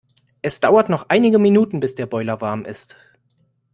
Es dauert noch einige Minuten bis der Boiler warm ist.